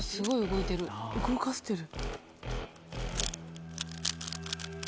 動かしてる。